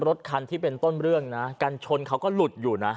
รถคันที่เป็นต้นเรื่องนะกันชนเขาก็หลุดอยู่นะ